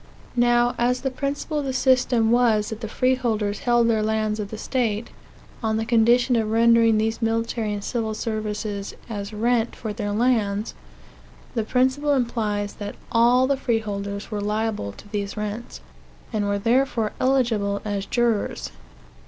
Now, as the principle of the system was that the freeholders held their lands of the state, on the condition of rendering these military and civil services as rents for their lands, the principle implies that all the freeholders were liable to these rents, and were therefore eligible as jurors.